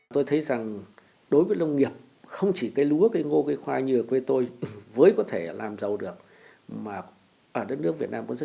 tôi thấy rằng đối với nông nghiệp không chỉ cây lúa cây ngô cây khoai như ở quê tôi